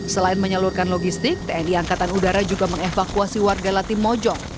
selain menyalurkan logistik tni angkatan udara juga mengevakuasi warga latim mojong